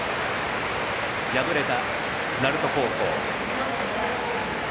敗れた鳴門高校。